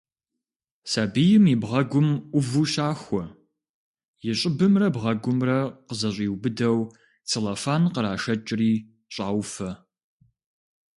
Сабийм и бгъэгум ӏуву щахуэ, и щӏыбымрэ бгъэгумрэ къызэщӏиубыдэу целлофан кърашэкӏри, щӏауфэ.